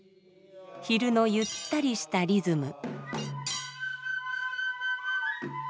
昼のゆったりしたリズム。